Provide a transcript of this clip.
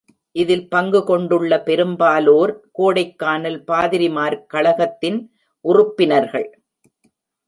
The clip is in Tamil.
இதில் பங்குகொண்டுள்ள பெரும்பாலோர் கோடைக்கானல் பாதிரிமார்கழகத்தின் உறுப்பினர்கள்.